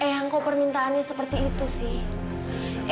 kenapa permintaannya seperti itu sih